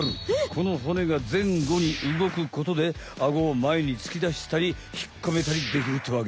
このほねがぜんごにうごくことでアゴを前に突き出したり引っ込めたりできるってわけ。